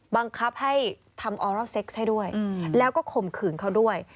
บังคับให้ทำออรอลเซ็กซะด้วยแล้วก็ข่มขืนเขาด้วย